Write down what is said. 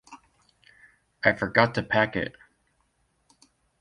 I forgot to pack it.